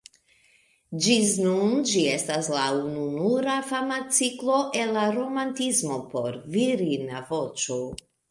Ĝis nun ĝi estas la ununura fama ciklo el la romantismo por virina voĉo.